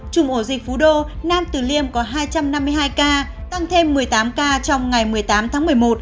chung ổ dịch phú đô nam tử liêm có hai trăm năm mươi hai ca tăng thêm một mươi tám ca trong ngày một mươi tám tháng một mươi một